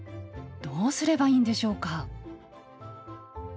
どうすればいいんでしょうか？